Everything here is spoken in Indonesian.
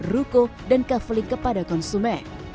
ruko dan kaveling kepada konsumen